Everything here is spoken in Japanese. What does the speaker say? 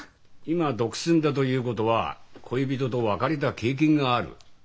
今独身だということは恋人と別れた経験がある。